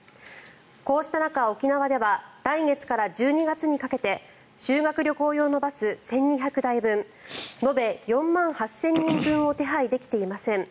こうした中、沖縄では来月から１２月にかけて修学旅行用のバス１２００台分延べ４万８０００人分を手配できていません。